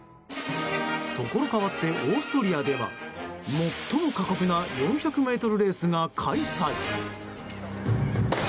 ところ変わってオーストリアでは最も過酷な４００ｍレースが開催。